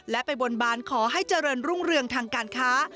และไปบนบานขอให้เจริญรุ่งเรืองทางการค้า